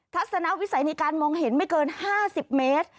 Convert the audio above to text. ทัศนวิสัยในการมองเห็นไม่เกิน๕๐เมตร